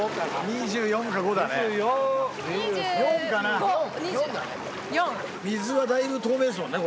２４だね水はだいぶ透明ですもんね